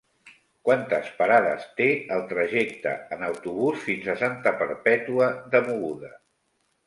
Quantes parades té el trajecte en autobús fins a Santa Perpètua de Mogoda?